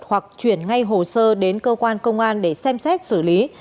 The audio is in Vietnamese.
hoặc chuyển ngay hồ sơ đến cơ quan công an để xem xét xử lý